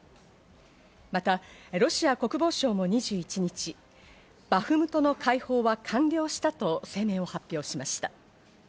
またロシア国防省も２１日、バフムトの解放は完了したと声明を発表しました。